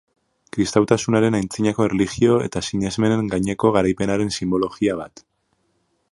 Kristautasunaren antzinako erlijio eta sinesmenen gaineko garaipenaren sinbologia bat.